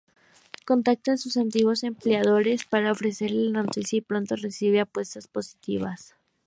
Contacta a sus antiguos empleadores para ofrecerles la noticia y pronto recibe respuestas positivas.